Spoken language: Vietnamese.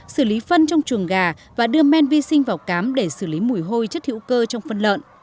xử lý phân trong chuồng gà và đưa men vi sinh vào cám để xử lý mùi hôi chất hữu cơ trong phân lợn